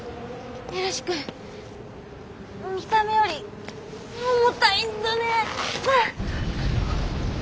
ヒロシ君見た目より重たいんだね。